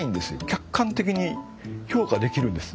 客観的に評価できるんです。